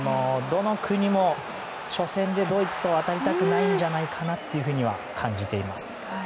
どの国も初戦でドイツと当たりたくないんじゃないかなというふうに感じています。